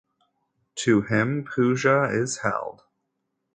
To him puja is held.